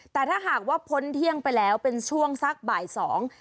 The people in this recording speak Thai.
แต่ถ้าหากว่าพ้นเที่ยงไปแล้วเป็นช่วงสักบ่ายสอง